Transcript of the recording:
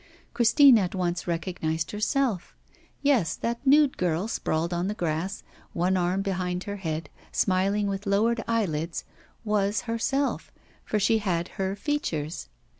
Christine at once recognised herself. Yes, that nude girl sprawling on the grass, one arm behind her head, smiling with lowered eyelids, was herself, for she had her features.